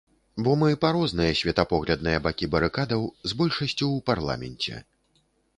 Бо мы па розныя светапоглядныя бакі барыкадаў з большасцю ў парламенце.